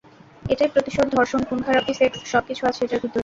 এটাই প্রতিশোধ, ধর্ষণ, খুন-খারাপি, সেক্স সবকিছু আছে এটার ভিতরে।